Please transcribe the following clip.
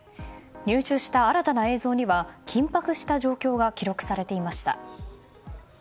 入手した新たな映像には緊迫した状況が記録されていました。